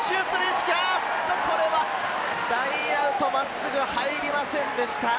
ラインアウト、真っすぐ入りませんでした。